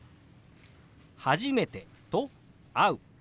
「初めて」と「会う」。